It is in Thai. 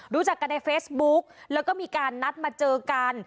รู้จักกันในเฟซบุ๊กแล้วก็มีการนัดมาเจอกัน